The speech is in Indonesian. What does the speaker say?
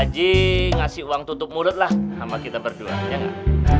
ji ngasih uang tutup mulut lah sama kita berduanya enggak